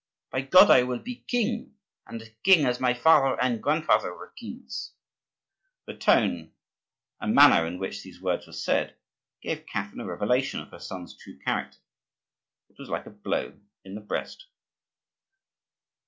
By God, I will be king, and a king as my father and grandfather were kings!" The tone and manner in which these words were said gave Catherine a revelation of her son's true character; it was like a blow in the breast.